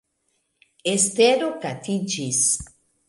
Estero katiĝis.